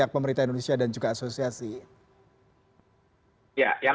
jadi umroh sampai ramadan kemarin